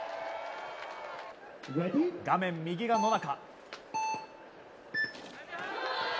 画面右が野中。